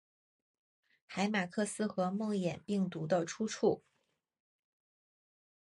海马克斯和梦魇病毒的出处！